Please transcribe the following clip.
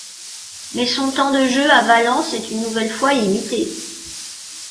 Mais son temps de jeu à Valence est une nouvelle fois limité.